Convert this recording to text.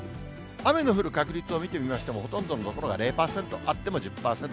雨の降る確率を見てみましても、ほとんどの所が０％、あっても１０％。